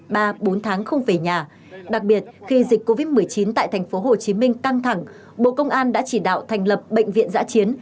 ba bốn tháng không về nhà đặc biệt khi dịch covid một mươi chín tại thành phố hồ chí minh căng thẳng bộ công an đã chỉ đạo thành lập bệnh viện giã chiến